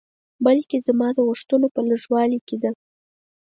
بلکې زما د غوښتنو په لږوالي کې ده.